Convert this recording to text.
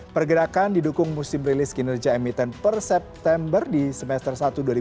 pergerakan didukung musim rilis kinerja emiten per september di semester satu dua ribu dua puluh